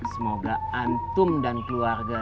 semoga antum dan keluarga